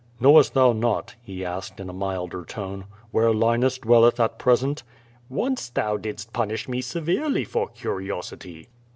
"Knowest thou not, he asked, in a milder tone, "where Linus dwelleth at present? "Once thou didst punish me severely for curiosity.